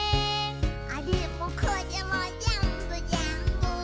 「あれもこれもぜんぶぜんぶ」